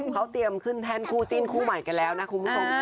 เขาเตรียมขึ้นแท่นคู่จิ้นคู่ใหม่กันแล้วนะคุณผู้ชม